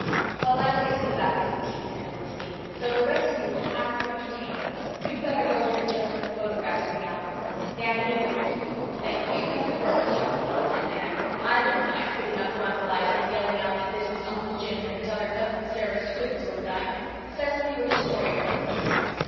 "Well, I'm going to see about getting tea," said Felicity, "so the rest of you will have to entertain her. You better go in and show her the photographs in the album. Dan, you do it." "Thank you, that's a girl's job," said Dan. "I'd look nice sitting up to Aunt Eliza and yelling out that this was Uncle Jim and 'tother Cousin Sarah's twins, wouldn't I? Cecily or the Story Girl can do it."